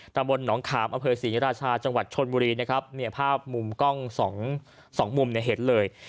ตำรวจหนองขามอศิริราชาจังหวัดชนมุรีภาพมุมกล้อง๒มุมเห็นเลย